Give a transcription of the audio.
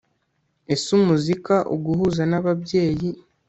Ese umuzika uguhuza n ababyeyi